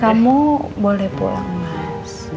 kamu boleh pulang mas